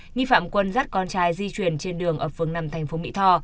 nhi phạm quân dắt con trai di chuyển trên đường ở phương nằm tp mỹ thò